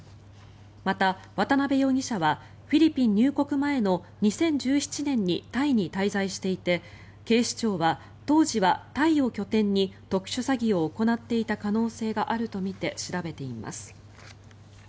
また渡邉容疑者はフィリピン入国前の２０１７年にタイに滞在していて警視庁は、当時はタイを拠点に特殊詐欺を行っていた可能性があるとみて調べています。